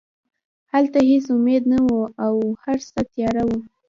هلته هېڅ امید نه و او هرڅه تیاره وو